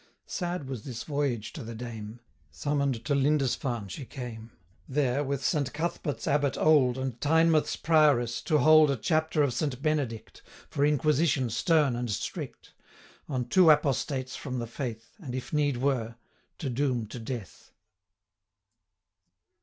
Sad was this voyage to the dame; Summon'd to Lindisfame, she came, 80 There, with Saint Cuthbert's Abbot old, And Tynemouth's Prioress, to hold A chapter of Saint Benedict, For inquisition stern and strict, On two apostates from the faith, 85 And, if need were, to doom to death.